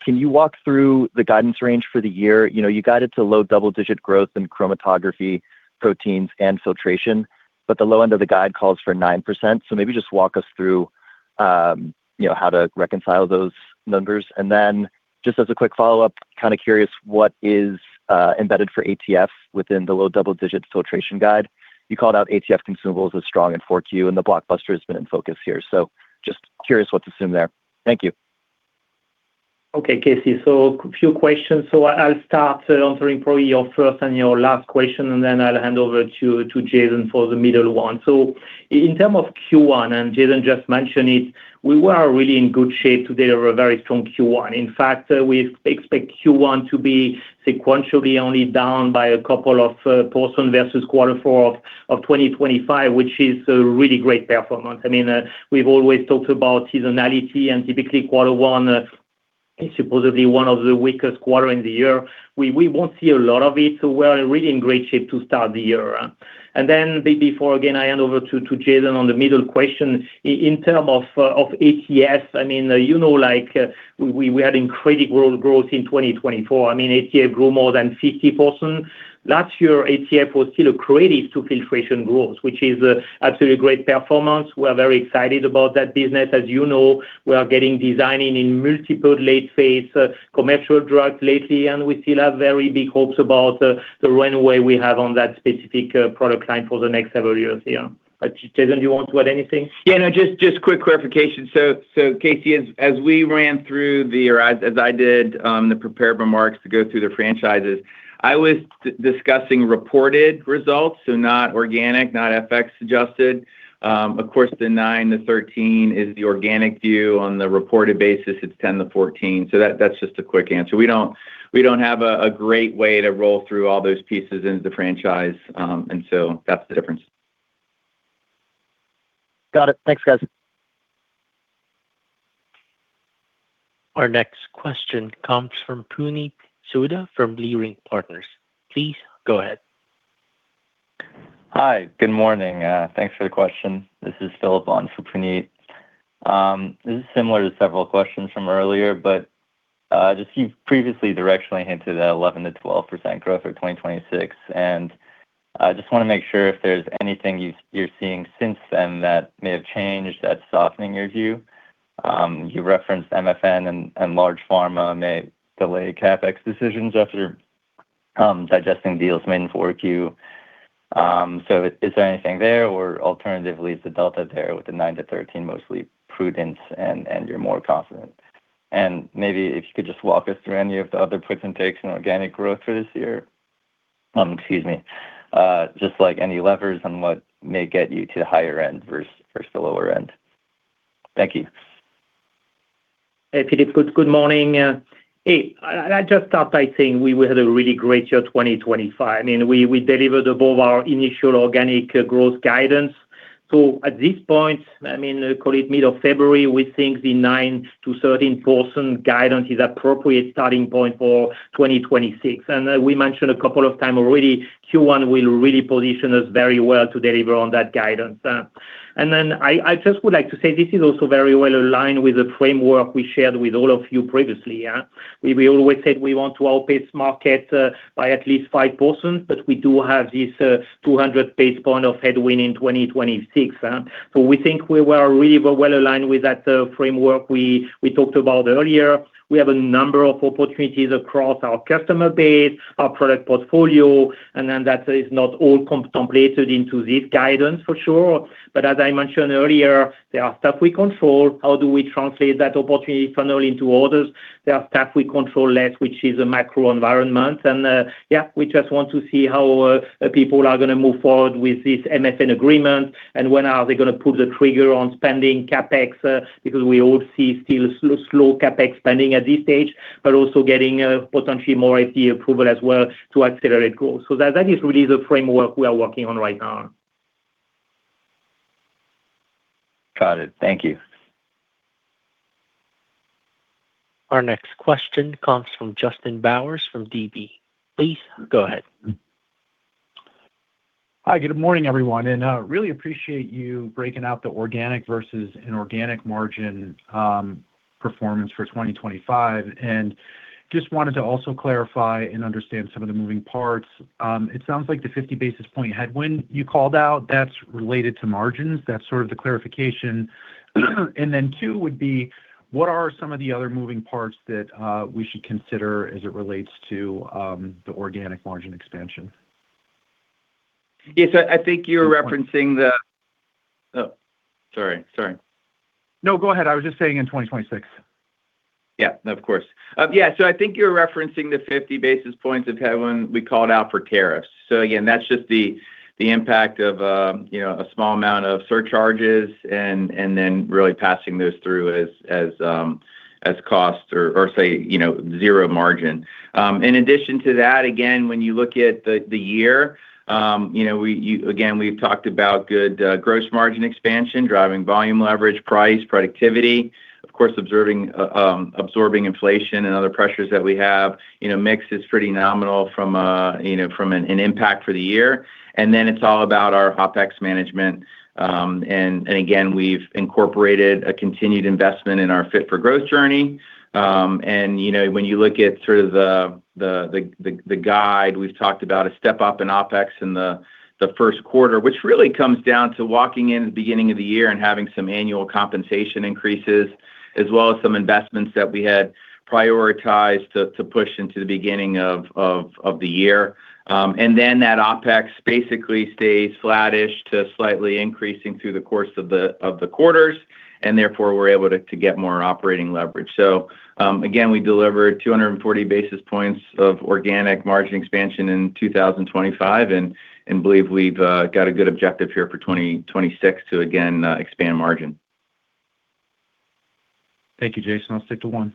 Can you walk through the guidance range for the year? You know, you got it to low double-digit growth in chromatography, proteins, and filtration, but the low end of the guide calls for 9%. Maybe just walk us through, you know, how to reconcile those numbers. Just as a quick follow-up, kind of curious, what is embedded for ATF within the low double-digit filtration guide? You called out ATF consumables as strong in 4Q, and the blockbuster has been in focus here. Just curious what to assume there. Thank you. Okay, Casey, few questions. I'll start answering probably your first and your last question, and then I'll hand over to Jason for the middle one. In term of Q1, and Jason just mentioned it, we were really in good shape to deliver a very strong Q1. In fact, we expect Q1 to be sequentially only down by a couple of percent versus Q4 of 2025, which is a really great performance. I mean, we've always talked about seasonality, and typically, quarter one is supposedly one of the weakest quarter in the year. We won't see a lot of it, we're really in great shape to start the year. Before, again, I hand over to Jason on the middle question, in term of ATF, I mean, you know, like, we had incredible growth in 2024. I mean, ATF grew more than 50%. Last year, ATF was still creative to filtration growth, which is absolutely great performance. We are very excited about that business. As you know, we are getting designing in multiple late-phase, commercial drugs lately, and we still have very big hopes about the runway we have on that specific product line for the next several years here. Jason, do you want to add anything? Yeah, no, just quick clarification. Casey, as I did the prepared remarks to go through the franchises, I was discussing reported results, so not organic, not FX adjusted. Of course, the 9%-13% is the organic view. On the reported basis, it's 10%-14%. That's just a quick answer. We don't have a great way to roll through all those pieces into the franchise, that's the difference. Got it. Thanks, guys. Our next question comes from Puneet Souda from Leerink Partners. Please go ahead. Hi, good morning. Thanks for the question. This is Philip on for Puneet. This is similar to several questions from earlier, just you've previously directionally hinted at 11%-12% growth for 2026, and I just want to make sure if there's anything you're seeing since then that may have changed that's softening your view. You referenced MFN and large pharma may delay CapEx decisions after digesting deals made in 4Q. Is there anything there, or alternatively, is the delta there with the nine to 13 mostly prudence and you're more confident? Maybe if you could just walk us through any of the other puts and takes in organic growth for this year. Excuse me, just like any levers on what may get you to the higher end versus the lower end. Thank you. Hey, Philip. Good morning. I just start by saying we had a really great year, 2025. I mean, we delivered above our initial organic growth guidance. At this point, I mean, call it mid of February, we think the 9%-13% guidance is appropriate starting point for 2026. We mentioned a couple of time already, Q1 will really position us very well to deliver on that guidance. Then I just would like to say this is also very well aligned with the framework we shared with all of you previously. Yeah. We always said we want to outpace market by at least 5%, but we do have this 200 basis points of headwind in 2026, huh? We think we were really well aligned with that framework we talked about earlier. We have a number of opportunities across our customer base, our product portfolio, and then that is not all contemplated into this guidance for sure. As I mentioned earlier, there are stuff we control. How do we translate that opportunity funnel into orders? There are stuff we control less, which is a macro environment. Yeah, we just want to see how people are gonna move forward with this MFN agreement, and when are they gonna pull the trigger on spending CapEx because we all see still slow CapEx spending at this stage, but also getting potentially more IT approval as well to accelerate growth. That is really the framework we are working on right now. Got it. Thank you. Our next question comes from Justin Bowers, from DB. Please, go ahead. Hi, good morning, everyone. Really appreciate you breaking out the organic versus inorganic margin, performance for 2025. Just wanted to also clarify and understand some of the moving parts. It sounds like the 50 basis point headwind you called out, that's related to margins. That's sort of the clarification. Two, would be, what are some of the other moving parts that we should consider as it relates to the organic margin expansion? Yes, I think you're referencing. Oh, sorry. No, go ahead. I was just saying in 2026. Yeah, of course. Yeah, so I think you're referencing the 50 basis points of headwind we called out for tariffs. Again, that's just the impact of, you know, a small amount of surcharges and then really passing those through as costs or say, you know, 0 margin. In addition to that, again, when you look at the year, you know, we again, we've talked about good gross margin expansion, driving volume leverage, price, productivity, of course, observing, absorbing inflation and other pressures that we have. You know, mix is pretty nominal from, you know, from an impact for the year. Then it's all about our OpEx management. Again, we've incorporated a continued investment in our Fit for Growth journey. You know, when you look at sort of the guide, we've talked about a step-up in OpEx in the first quarter, which really comes down to walking in the beginning of the year and having some annual compensation increases, as well as some investments that we had prioritized to push into the beginning of the year. That OpEx basically stays flattish to slightly increasing through the course of the quarters, and therefore, we're able to get more operating leverage. Again, we delivered 240 basis points of organic margin expansion in 2025, and believe we've got a good objective here for 2026 to again expand margin. Thank you, Jason. I'll stick to one.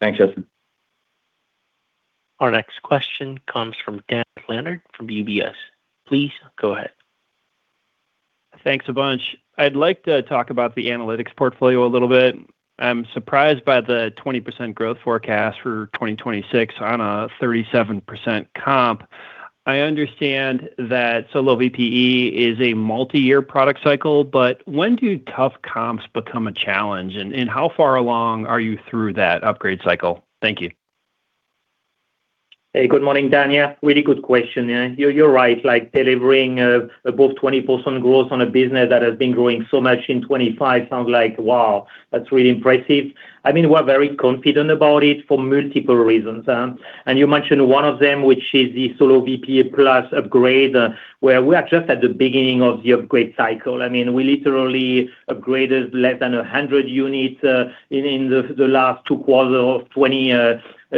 Thanks, Justin. Our next question comes from Dan Leonard, from UBS. Please go ahead. Thanks a bunch. I'd like to talk about the analytics portfolio a little bit. I'm surprised by the 20% growth forecast for 2026 on a 37% comp. I understand that SoloVPE is a multi-year product cycle, but when do tough comps become a challenge, and how far along are you through that upgrade cycle? Thank you. Hey, good morning, Dan. Really good question. You're right. Like, delivering above 20% growth on a business that has been growing so much in 2025 sounds like, wow, that's really impressive. I mean, we're very confident about it for multiple reasons, and you mentioned one of them, which is the SoloVPE PLUS System upgrade, where we are just at the beginning of the upgrade cycle. I mean, we literally upgraded less than 100 units in the last two quarters of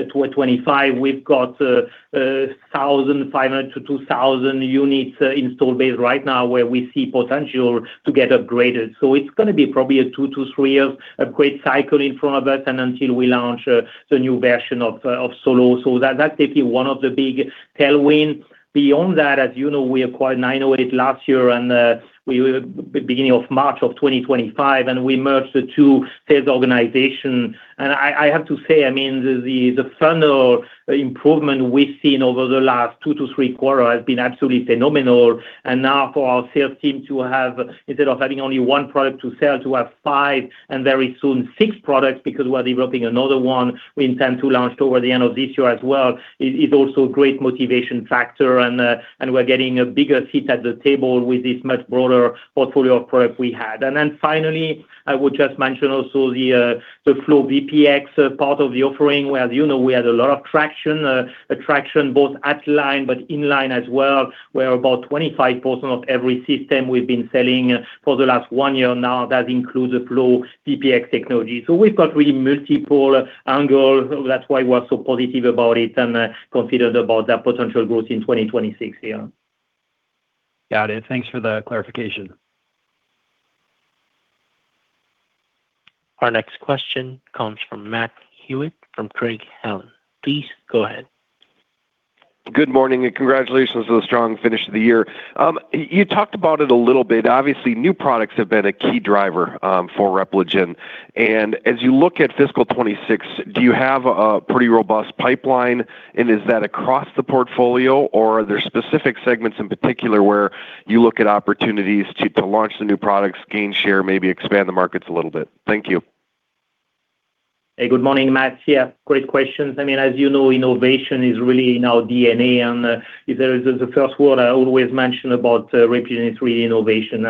2025. We've got 1,500-2,000 units install base right now where we see potential to get upgraded. It's gonna be probably a 2-3 years upgrade cycle in front of us, and until we launch the new version of Solo. That, that's definitely one of the big tailwind. Beyond that, as you know, we acquired 908 last year, and we were beginning of March of 2025, and we merged the two sales organization. I have to say, I mean, the, the funnel improvement we've seen over the last two to three quarters has been absolutely phenomenal. Now for our sales team to have, instead of having only 1 product to sell, to have five, and very soon six products, because we're developing another one, we intend to launch over the end of this year as well, is also a great motivation factor, and we're getting a bigger seat at the table with this much broader portfolio of product we had. Finally, I would just mention also the FlowVPX part of the offering, where, as you know, we had a lot of traction, attraction, both at line, but in line as well, where about 25% of every system we've been selling for the last one year now, that includes the FlowVPX technology. We've got really multiple angles. That's why we're so positive about it and confident about that potential growth in 2026 year. Got it. Thanks for the clarification. Our next question comes from Matt Hewitt from Craig-Hallum. Please go ahead. Good morning. Congratulations on the strong finish of the year. You talked about it a little bit. Obviously, new products have been a key driver for Repligen. As you look at fiscal 2026, do you have a pretty robust pipeline? Is that across the portfolio, or are there specific segments in particular where you look at opportunities to launch the new products, gain share, maybe expand the markets a little bit? Thank you. Hey, good morning, Matt. Yeah, great questions. I mean, as you know, innovation is really in our DNA, if there is the first word I always mention about Repligen, it's really innovation.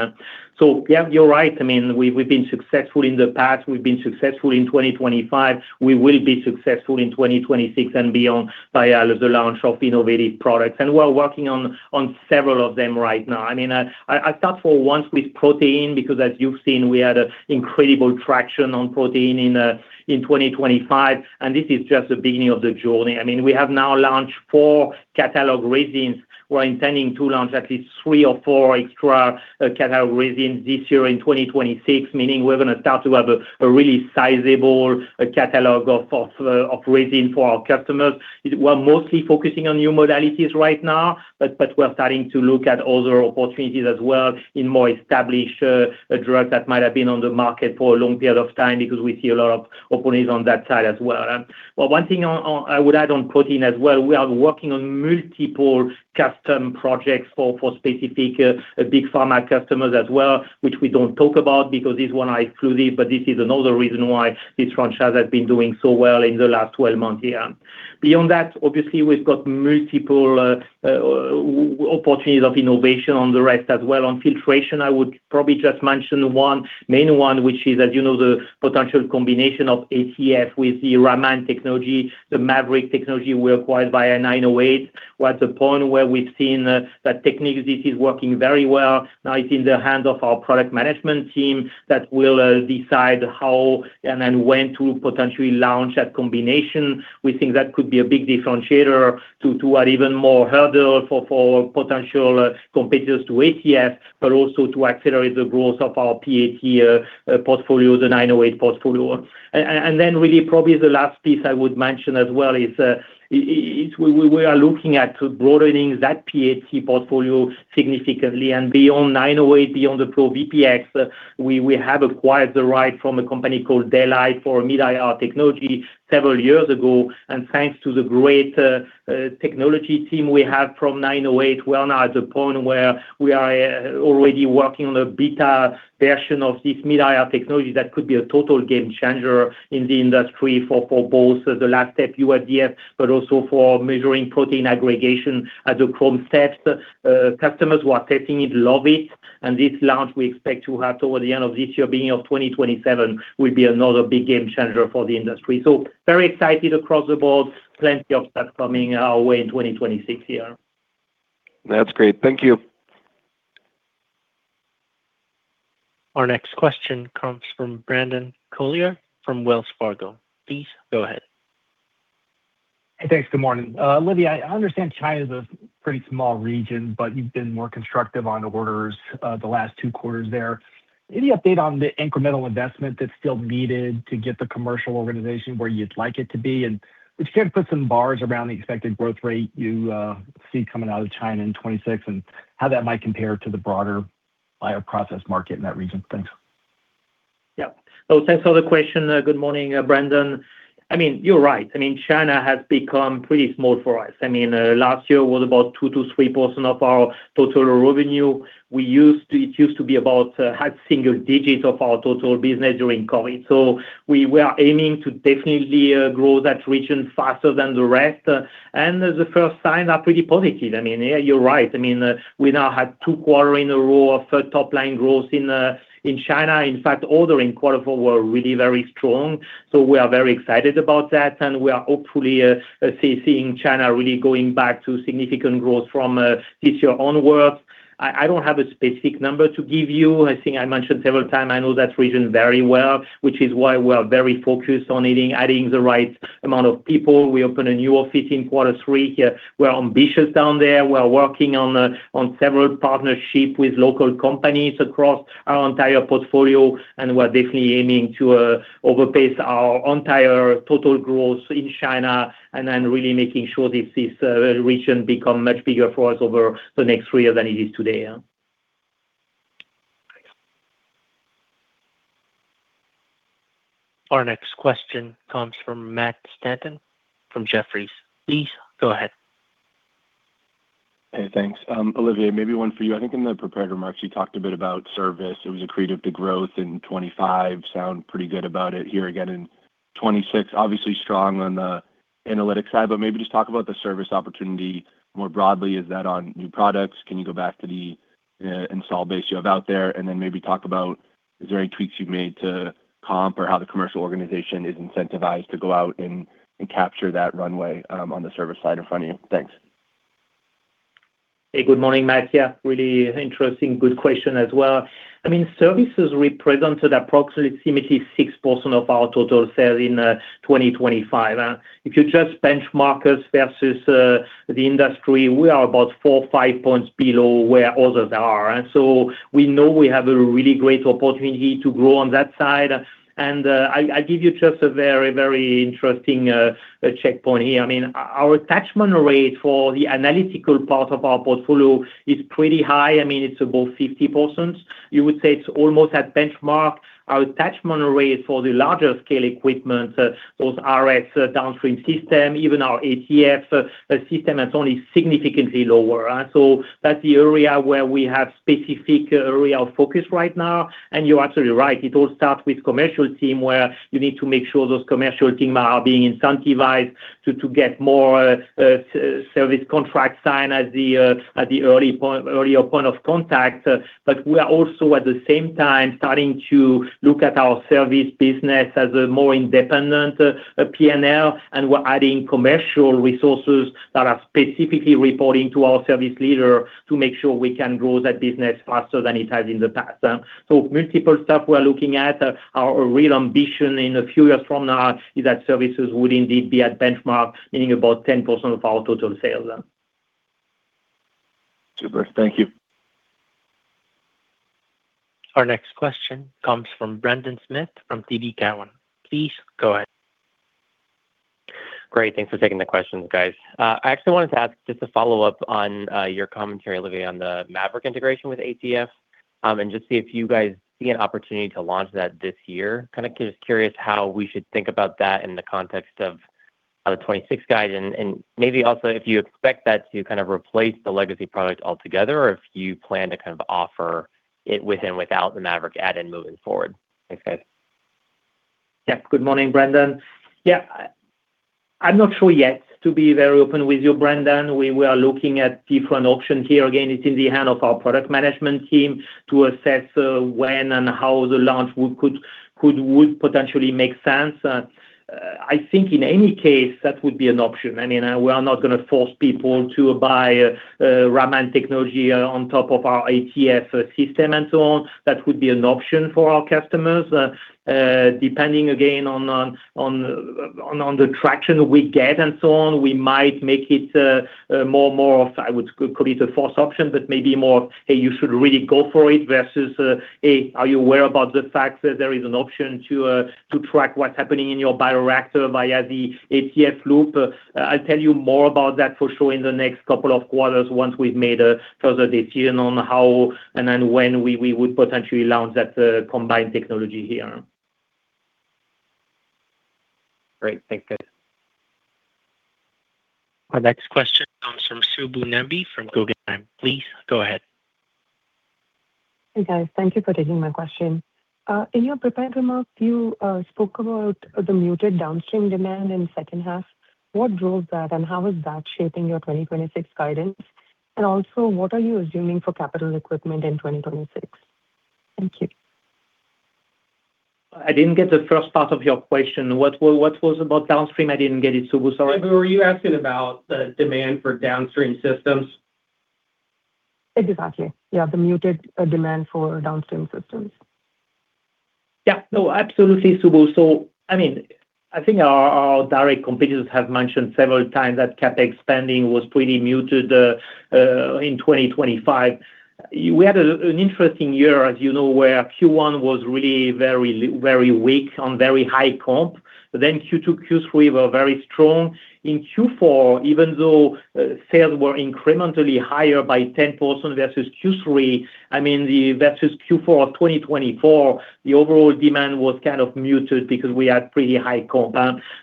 So yeah, you're right. I mean, we've been successful in the past. We've been successful in 2025. We will be successful in 2026 and beyond by all of the launch of innovative products, and we're working on several of them right now. I mean, I start for once with protein, because as you've seen, we had a incredible traction on protein in 2025, and this is just the beginning of the journey. I mean, we have now launched four catalog resins. We're intending to launch at least three or four extra catalog resins this year in 2026, meaning we're gonna start to have a really sizable catalog of resin for our customers. We're mostly focusing on new modalities right now, but we're starting to look at other opportunities as well in more established drugs that might have been on the market for a long period of time because we see a lot of opportunities on that side as well. Well, one thing I would add on protein as well, we are working on multiple custom projects for specific big pharma customers as well, which we don't talk about because it's one exclusive, but this is another reason why this franchise has been doing so well in the last 12 months here. Beyond that, obviously, we've got multiple opportunities of innovation on the rest as well. On filtration, I would probably just mention one main one, which is, as you know, the potential combination of ATF with the Raman technology, the MAVERICK technology we acquired by a Nine08. We're at the point where we've seen that technique, this is working very well. Now it's in the hands of our product management team that will decide how and then when to potentially launch that combination. We think that could be a big differentiator to add even more hurdle for potential competitors to ATF, but also to accelerate the growth of our PAT portfolio, the Nine08 portfolio. Then really probably the last piece I would mention as well is, we are looking at broadening that PAT portfolio significantly and beyond 908, beyond the ProVPX, we have acquired the right from a company called Delai for mid-IR technology several years ago. Thanks to the great technology team we have from 908, we are now at the point where we are already working on a beta version of this mid-IR technology that could be a total game changer in the industry for both the last step UFDF, but also for measuring protein aggregation as a chrome step. Customers who are testing it love it, and this launch we expect to have toward the end of this year, beginning of 2027, will be another big game changer for the industry. Very excited across the board. Plenty of stuff coming our way in 2026 here. That's great. Thank you. Our next question comes from Brandon Couillard from Wells Fargo. Please go ahead. Hey, thanks. Good morning. Olivier, I understand China is a pretty small region, but you've been more constructive on the orders, the last two quarters there. Any update on the incremental investment that's still needed to get the commercial organization where you'd like it to be? If you could, put some bars around the expected growth rate you see coming out of China in 2026 and how that might compare to the broader bioprocess market in that region. Thanks. Yeah. Thanks for the question. Good morning, Brandon. I mean, you're right. I mean, China has become pretty small for us. I mean, last year was about 2%-3% of our total revenue. It used to be about high single digits of our total business during COVID. We are aiming to definitely grow that region faster than the rest. The first signs are pretty positive. I mean, yeah, you're right. I mean, we now had two quarter in a row of top-line growth in China. In fact, ordering quarter four were really very strong. We are very excited about that, and we are hopefully seeing China really going back to significant growth from this year onwards. I don't have a specific number to give you. I think I mentioned several times, I know that region very well, which is why we are very focused on adding the right amount of people. We opened a new office in quarter three. We're ambitious down there. We are working on several partnership with local companies across our entire portfolio, and we're definitely aiming to overpace our entire total growth in China and then really making sure this region become much bigger for us over the next three years than it is today, yeah. Thanks. Our next question comes from Matthew Stanton, from Jefferies. Please go ahead. Hey, thanks. Olivier, maybe one for you. I think in the prepared remarks, you talked a bit about service. It was accretive to growth in 25. Sound pretty good about it here again in 26. Obviously strong on the analytic side, but maybe just talk about the service opportunity more broadly. Is that on new products? Can you go back to the install base you have out there? Maybe talk about, is there any tweaks you've made to comp or how the commercial organization is incentivized to go out and capture that runway on the service side in front of you? Thanks. Hey, good morning, Matt. Yeah, really interesting. Good question as well. I mean, services represented approximately 66% of our total sales in 2025. If you just benchmark us versus the industry, we are about four or five points below where others are. We know we have a really great opportunity to grow on that side. I give you just a very, very interesting checkpoint here. I mean, our attachment rate for the analytical part of our portfolio is pretty high. I mean, it's above 50%. You would say it's almost at benchmark. Our attachment rate for the larger scale equipment, those RX downstream system, even our ATF system is only significantly lower. That's the area where we have specific area of focus right now. You're absolutely right, it all starts with commercial team, where you need to make sure those commercial team are being incentivized to get more, service contracts signed as the earlier point of contact. We are also, at the same time, starting to look at our service business as a more independent, PNL. We're adding commercial resources that are specifically reporting to our service leader to make sure we can grow that business faster than it has in the past. Multiple stuff we're looking at. Our real ambition in a few years from now is that services would indeed be at benchmark, meaning about 10% of our total sales. Super. Thank you. Our next question comes from Brendan Smith from TD Cowen. Please go ahead. Great. Thanks for taking the questions, guys. I actually wanted to ask just a follow-up on your commentary, Olivier, on the MAVERICK integration with ATF. Just see if you guys see an opportunity to launch that this year. Kind of just curious how we should think about that in the context of the 2026 guide. Maybe also if you expect that to kind of replace the legacy product altogether, or if you plan to kind of offer it with and without the MAVERICK add-in moving forward. Thanks, guys. Good morning, Brendan. I'm not sure yet, to be very open with you, Brendan. We were looking at different options here. Again, it's in the hands of our product management team to assess when and how the launch would potentially make sense. I think in any case, that would be an option. I mean, we are not gonna force people to buy Raman on top of our ATF system and so on. That would be an option for our customers. Depending again, on the traction we get and so on, we might make it more and more of, I would call it a force option, but maybe more, "Hey, you should really go for it," versus, "Hey, are you aware about the fact that there is an option to track what's happening in your bioreactor via the ATF loop?" I'll tell you more about that for sure in the next couple of quarters once we've made a further decision on how and when we would potentially launch that combined technology here. Great. Thanks, guys. Our next question comes from Subbu Nambi from Guggenheim. Please go ahead. Hey, guys. Thank you for taking my question. In your prepared remarks, you spoke about the muted downstream demand in second half. What drove that, and how is that shaping your 2026 guidance? Also, what are you assuming for capital equipment in 2026? Thank you. I didn't get the first part of your question. What was about downstream? I didn't get it, Subbu. Sorry. Subbu, were you asking about the demand for downstream systems? Exactly. Yeah, the muted demand for downstream systems. Yeah. No, absolutely, Subbu. I mean, I think our direct competitors have mentioned several times that CapEx spending was pretty muted in 2025. We had an interesting year, as you know, where Q1 was really very weak on very high comp. Q2, Q3 were very strong. In Q4, even though sales were incrementally higher by 10% versus Q3, I mean, versus Q4 of 2024, the overall demand was kind of muted because we had pretty high comp.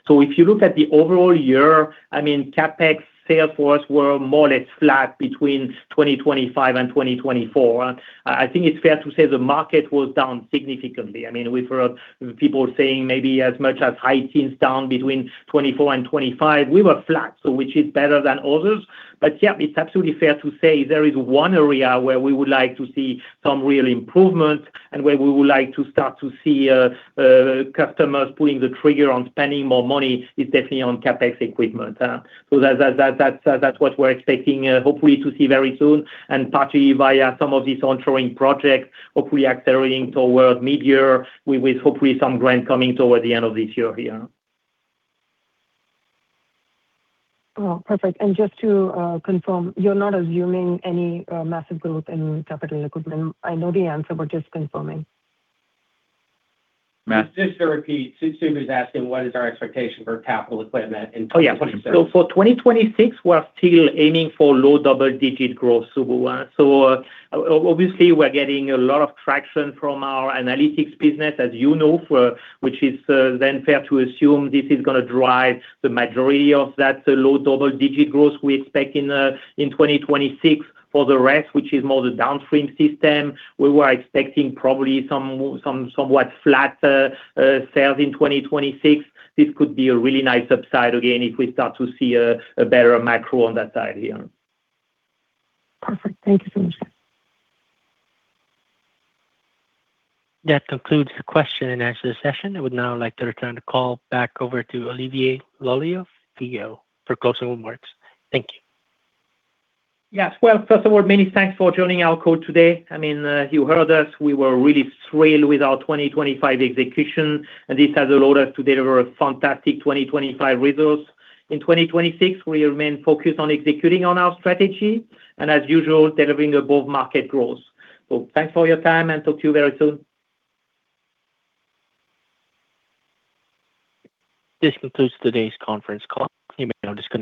If you look at the overall year, I mean, CapEx sales for us were more or less flat between 2025 and 2024. I think it's fair to say the market was down significantly. I mean, we've heard people saying maybe as much as high teens down between 2024 and 2025. We were flat. Which is better than others. Yeah, it's absolutely fair to say there is one area where we would like to see some real improvement and where we would like to start to see customers pulling the trigger on spending more money is definitely on CapEx equipment. That's what we're expecting hopefully to see very soon, and partly via some of these ongoing projects, hopefully accelerating towards mid-year, with hopefully some ground coming towards the end of this year here. Oh, perfect. Just to confirm, you're not assuming any massive growth in capital equipment? I know the answer, but just confirming. Just to repeat, Subbu is asking, what is our expectation for capital equipment in 2026? Oh, yeah. For 2026, we're still aiming for low double-digit growth, Subbu. Obviously, we're getting a lot of traction from our analytics business, as you know, for which is then fair to assume this is gonna drive the majority of that low double-digit growth we expect in 2026. For the rest, which is more the downstream system, we were expecting probably somewhat flat sales in 2026. This could be a really nice upside again, if we start to see a better macro on that side here. Perfect. Thank you so much. That concludes the question and answer session. I would now like to return the call back over to Olivier Loeillot, CEO, for closing remarks. Thank you. Yes. Well, first of all, many thanks for joining our call today. I mean, you heard us, we were really thrilled with our 2025 execution, and this has allowed us to deliver a fantastic 2025 results. In 2026, we remain focused on executing on our strategy and, as usual, delivering above-market growth. Thanks for your time and talk to you very soon. This concludes today's conference call. You may now disconnect.